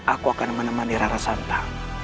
aku akan menemani rara santa